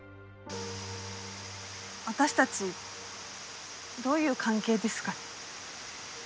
私たちどういう関係ですかね？